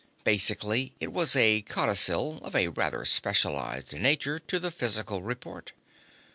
Basically, it was a codicil, of a rather specialized nature, to the physical report.